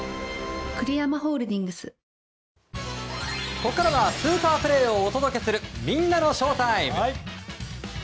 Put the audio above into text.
ここからはスーパープレーをお届けするみんなのＳＨＯＷＴＩＭＥ！